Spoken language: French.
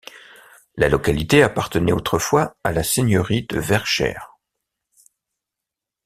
La localité appartenait autrefois à la Seigneurie de Verchères.